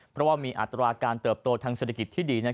เพราะว่ามีอัตราการเติบโตทางเศรษฐกิจที่ดี